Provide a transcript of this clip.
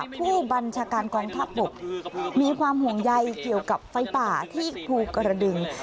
ผู้บัญชาการกองทัพบกมีความห่วงใยเกี่ยวกับไฟป่าที่ภูกระดึง